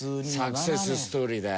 サクセスストーリーだよ。